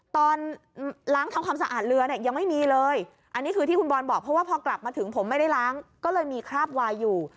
ตอนล้างทำความสะอาดเรือเนี่ยยังไม่มีเลยอันนี้คือที่คุณบอลบอกเพราะว่าพอกลับมาถึงผมไม่ได้ล้างก็เลยมีคราบวายอยู่